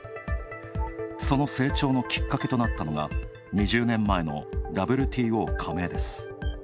その成長のきっかけとなったのが２０年前のＷＴＯ加盟です。